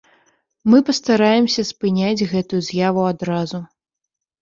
Мы пастараемся спыняць гэтую з'яву адразу.